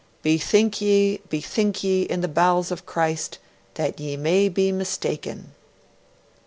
'Bethink ye, bethink ye, in the bowels of Christ, that ye may be mistaken!'